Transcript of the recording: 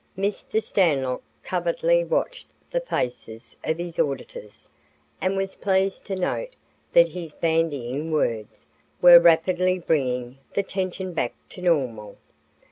Mr. Stanlock covertly watched the faces of his auditors and was pleased to note that his bandying words were rapidly bringing the tension back to normal.